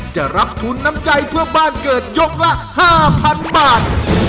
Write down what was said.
จะรับทุนน้ำใจเพื่อบ้านเกิดยกละ๕๐๐๐บาท